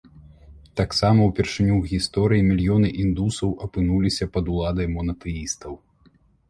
Таксама ўпершыню ў гісторыі мільёны індусаў апынуліся пад уладай монатэістаў.